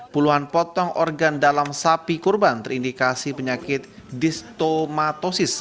puluhan potong organ dalam sapi kurban terindikasi penyakit distomatosis